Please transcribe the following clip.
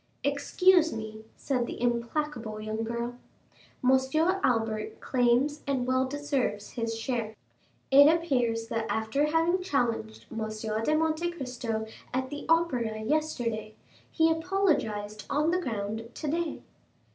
"Excuse me," said the implacable young girl, "Monsieur Albert claims and well deserves his share. It appears that after having challenged M. de Monte Cristo at the Opera yesterday, he apologized on the ground today."